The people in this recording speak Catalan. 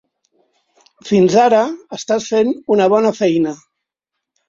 Fins ara estàs fent una bona feina.